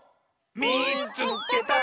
「みいつけた！」。